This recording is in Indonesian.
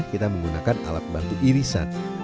kita menggunakan alat bantu irisan